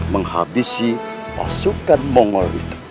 menghabisi pasukan mongol itu